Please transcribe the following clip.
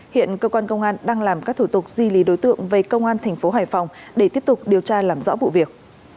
hiện cơ quan công an đang làm các thủ tục di lý đối tượng về công an thành phố hải phòng để tiếp tục điều tra làm rõ vụ việc